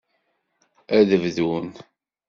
Ad bdun.